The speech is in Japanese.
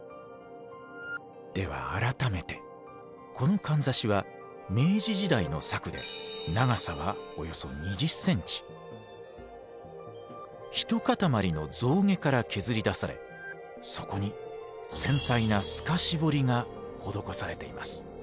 では改めてこのかんざしは明治時代の作で長さはおよそ一塊の象牙から削り出されそこに繊細な透かし彫りが施されています。